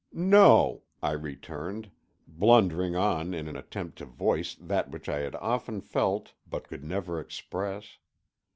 "No," I returned, blundering on in an attempt to voice that which I had often felt, but could never express.